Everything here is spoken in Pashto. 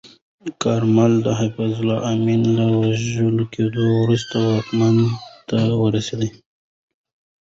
کارمل د حفیظالله امین له وژل کېدو وروسته واک ته ورسید.